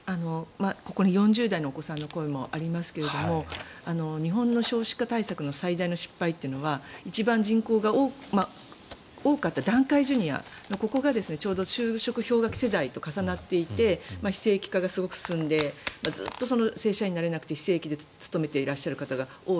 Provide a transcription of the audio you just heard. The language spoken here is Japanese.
ここに４０代のお子さんの声もありますが日本の少子化対策の最大の失敗というのは一番人口が多かった団塊ジュニアのここがちょうど就職氷河期世代と重なっていて非正規化がすごく進んでずっと正社員になれなくて非正規で勤めていらっしゃることが多い。